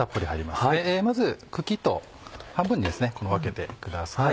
まず茎と半分にですね分けてください。